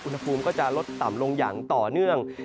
อุณหภูมิก็จะลดต่ำลงอย่างต่อเนื่อง